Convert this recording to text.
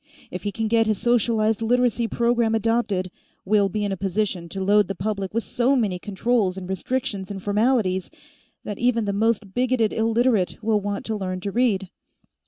If he can get his socialized Literacy program adopted, we'll be in a position to load the public with so many controls and restrictions and formalities that even the most bigoted Illiterate will want to learn to read.